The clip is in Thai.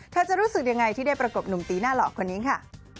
จะรู้สึกยังไงที่ได้ประกบหนุ่มตีหน้าหล่อคนนี้ค่ะ